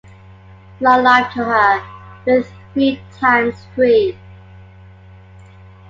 Long life to her, with three times three!